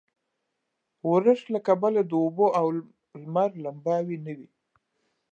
ورښت له کبله د اوبو او لمر لمباوې نه وې.